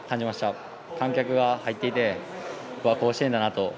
観客が入っていてうわあ、甲子園だなと。